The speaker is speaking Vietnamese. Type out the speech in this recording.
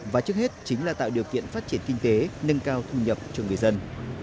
và trước hết chính là tạo điều kiện phát triển kinh tế nâng cao thu nhập cho người dân